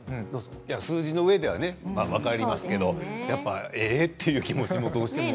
数字の上では分かりますけれどやっぱり、ええ？という気持ちもどうしても。